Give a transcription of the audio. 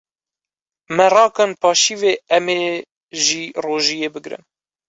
Me rakin paşîvê em ê jî rojiyê bigrin.